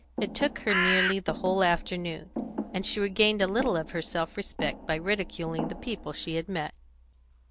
It took her nearly the whole afternoon, and she regained a little of her self respect by ridiculing the people she had met.